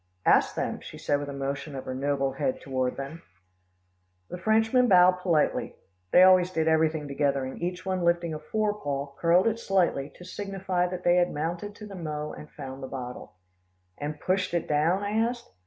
"Ask them," she said with a motion of her noble head toward them. The Frenchmen bowed politely they always did everything together, and each one lifting a forepaw, curled it slightly, to signify that they had mounted to the mow and found the bottle. "And pushed it down?" I asked.